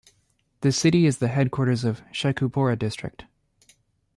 The city is the headquarters of Sheikhupura District.